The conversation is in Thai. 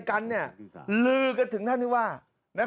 ท่าถึงท่า๒ท่า๓ท่า๔